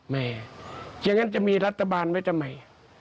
อย่างนั้นจะมีรัฐบาลไว้ทำไม